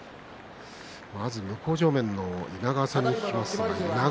まず向正面の稲川さんに聞きます。